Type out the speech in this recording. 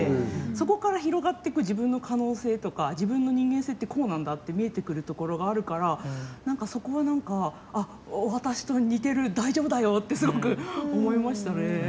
そこから広がってく自分の可能性とか自分の人間性ってこうなんだって見えてくるところがあるからそこはなんかあっ、私と似てる大丈夫だよってすごく思いましたね。